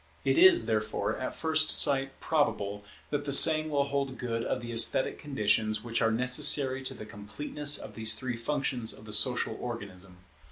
It is, therefore, at first sight probable that the same will hold good of the esthetic conditions which are necessary to the completeness of these three functions of the social organism.